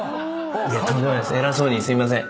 偉そうにすいません。